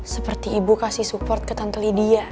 seperti ibu kasih support ke tante lydia